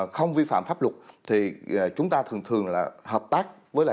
không vi phạm pháp luật thì chúng ta thường thường là hợp tác với những người này